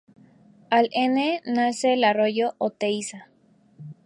Al N, nace el arroyo Oteiza.